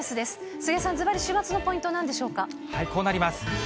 杉江さん、ずばり週末のポイントこうなります。